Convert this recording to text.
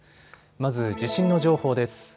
まず地震の情報です。